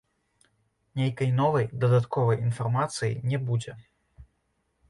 Нейкай новай, дадатковай інфармацыі не будзе.